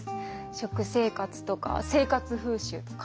食生活とか生活風習とか。